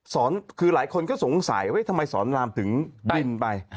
คือหลายคนก็สงสัยทำไมสอนรามถึงบินไป